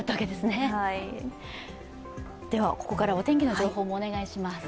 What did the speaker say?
では、ここからはお天気の情報もお願いします。